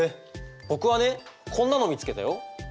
僕はねこんなの見つけたよ。